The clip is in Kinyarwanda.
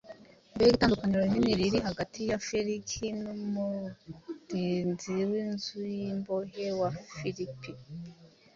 Mbega itandukaniro rinini riri hagati ya Feliki n’umurinzi w’inzu y’imbohe w’i Filipi!